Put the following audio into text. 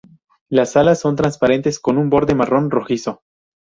Las alas son transparentes con un borde marrón rojizo.